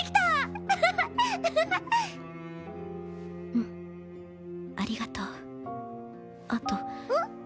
うんありがとうあとん？